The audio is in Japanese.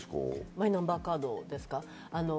マイナンバーカードですか。